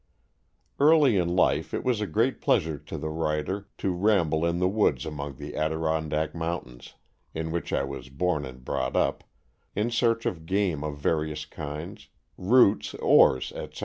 Early in life it was a great pleasure to the writer to ramble in the woods among the Adirondack Mountains — in which I was born and brought up — in search of game of various kinds, roots, ores, etc.